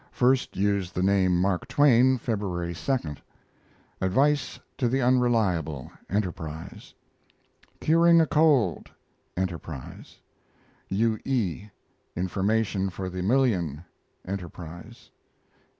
First used the name "Mark Twain," February 2. ADVICE TO THE UNRELIABLE Enterprise. CURING A COLD Enterprise. U. E. INFORMATION FOR THE MILLION Enterprise.